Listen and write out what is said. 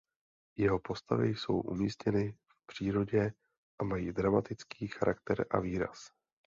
Jeho postavy jsou umístěny v přírodě a mají dramatický charakter a výraz.